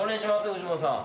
藤本さん。